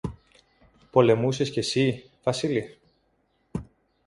Πολεμούσες και συ, Βασίλη;